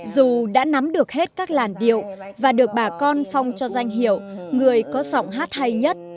dù đã nắm được hết các làn điệu và được bà con phong cho danh hiệu người có giọng hát hay nhất